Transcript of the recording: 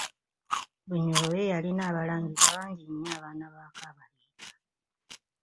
Bunyoro yo yalina abalangira bangi nnyo abaana ba Kabalega.